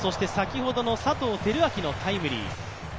先ほどの佐藤輝明のタイムリー。